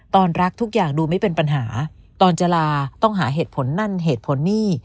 ตอนรักทุกอย่างดูไม่เป็นปัญหาตอนจะลาต้องหาเหตุผลนั่นเหตุผลนี่